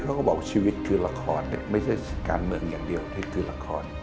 เขาก็บอกชีวิตคือละครไม่ใช่การเมืองอย่างเดียวคือละคร